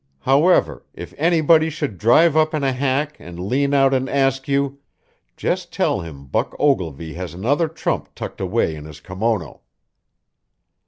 However, if anybody should drive up in a hack and lean out and ask you, just tell him Buck Ogilvy has another trump tucked away in his kimono."